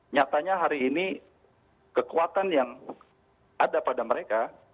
nyatanya hari ini kekuatan yang ada pada mereka